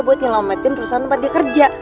buat nyelamatin perusahaan tempat dia kerja